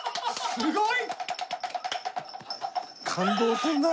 すごい！